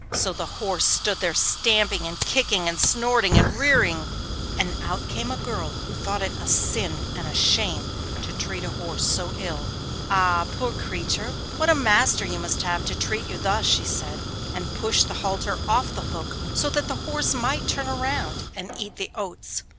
So the horse stood there stamping, and kicking, and snorting, and rearing, and out came a girl who thought it a sin and a shame to treat a horse so ill. 'Ah, poor creature, what a master you must have to treat you thus!' she said, and pushed the halter off the hook so that the horse might turn round and eat the oats.